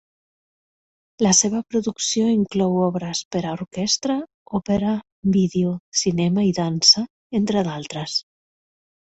La seva producció inclou obres per a orquestra, òpera, vídeo, cinema i dansa, entre d'altres.